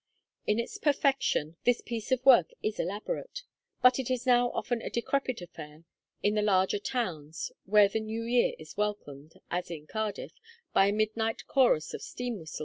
In its perfection, this piece of work is elaborate; but it is now often a decrepit affair, in the larger towns, where the New Year is welcomed (as at Cardiff) by a midnight chorus of steam whistles.